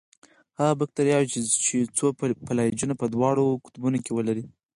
هغه باکتریاوې چې څو فلاجیلونه په دواړو قطبونو کې ولري.